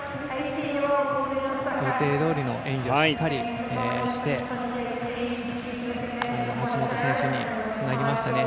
予定どおりの演技をしっかりして最後橋本選手につなぎましたね。